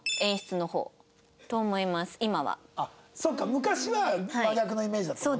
昔は真逆のイメージだったもんね。